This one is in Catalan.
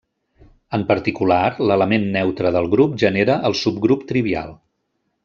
En particular, l'element neutre del grup genera el subgrup trivial.